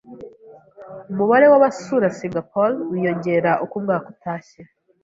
Umubare wabasura Singapore wiyongereye uko umwaka utashye.